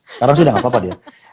sekarang sudah gak apa apa dia